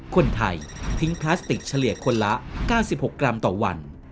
คนไทยทิ้งพลาสติกเฉลี่ยคนละ๙๖กรัมต่อวัน